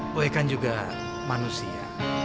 boy kan juga manusia